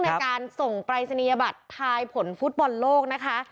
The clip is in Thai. ในการส่งปรายศนียบัตรทายผลฟุตบอลโลกนะคะ